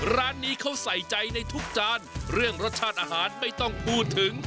ร้านนี้เขาใส่ใจในทุกจานเรื่องรสชาติอาหารไม่ต้องพูดถึง